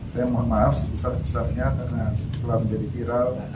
saya memaaf sebesar besarnya karena telah menjadi viral